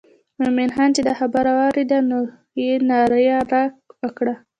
مومن خان چې دا خبره واورېده نو یې ناره وکړه.